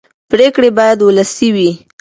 پرېکړې باید ولسي وي